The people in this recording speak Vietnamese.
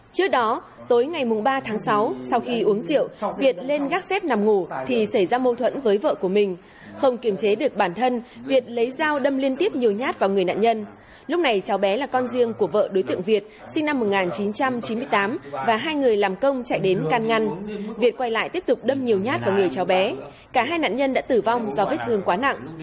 trước đó tối ngày ba tháng sáu sau khi uống rượu việt lên gác xét nằm ngủ thì xảy ra mâu thuẫn với vợ của mình không kiềm chế được bản thân việt lấy dao đâm liên tiếp nhiều nhát vào người nạn nhân lúc này cháu bé là con riêng của vợ đối tượng việt sinh năm một nghìn chín trăm chín mươi tám và hai người làm công chạy đến can ngăn việt quay lại tiếp tục đâm nhiều nhát vào người cháu bé cả hai nạn nhân đã tử vong do vết thương quá nặng